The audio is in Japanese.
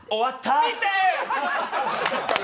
見て！